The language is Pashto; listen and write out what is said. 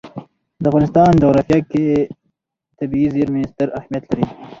د افغانستان جغرافیه کې طبیعي زیرمې ستر اهمیت لري.